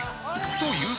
という